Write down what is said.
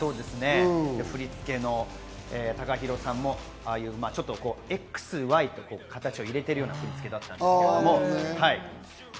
振り付けのＴＡＫＡＨＩＲＯさんもああいう、ちょっと「Ｘ」、「Ｙ」という形を入れているような振り付けでした。